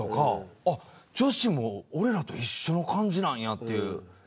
女子も俺らと一緒の感じなんやという。